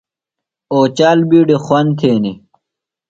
اوچال بِیڈیۡ خُوَند تھینیۡ۔